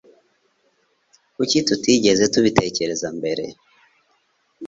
Kuki tutigeze tubitekereza mbere